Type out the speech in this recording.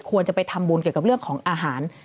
ควรจะไปทำบุญเกี่ยวกับเรื่องของอาหาร